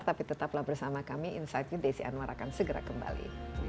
tapi tetaplah bersama kami insight with desi anwar akan segera kembali